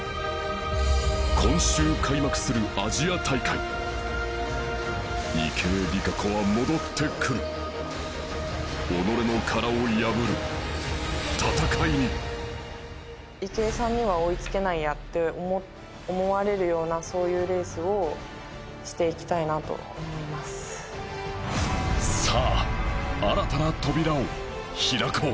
今週開幕するアジア大会池江璃花子は戻ってくる己の殻を破る戦いにって思われるようなそういうレースをしていきたいなと思いますさあ新たな扉を開こう